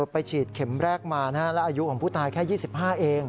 ไปฉีดเข็มแรกมาแล้วอายุของผู้ตายแค่๒๕เอง